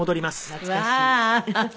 懐かしい。